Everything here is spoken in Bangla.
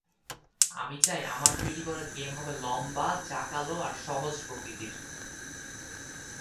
আমি চাই, আমার তৈরী করা গেম হবে লম্বা, জাঁকালো এবং সহজ প্রকৃতির।